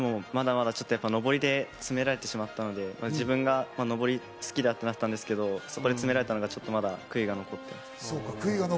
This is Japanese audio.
でも、まだまだちょっと上りで詰められてしまったので、自分が上り好きだったんですけど、そこで詰められたのがちょっとまだ悔いが残っています。